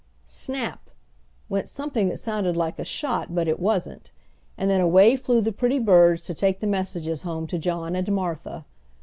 Snap! went something that sounded like a shot (but it wasn't), and then away flew the pretty birds to take the messages home to John and Martha.